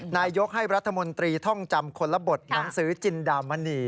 นายกให้รัฐมนตรีท่องจำคนละบทหนังสือจินดามณี